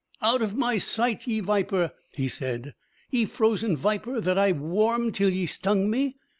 "Out of my sight, ye viper," he said; "ye frozen viper that I warmed till ye stung me!